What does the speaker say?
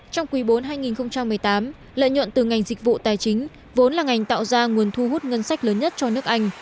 trong quý bốn hai nghìn một mươi tám lợi nhuận từ ngành dịch vụ tài chính vốn là ngành tạo ra nguồn thu hút ngân sách lớn nhất cho nước anh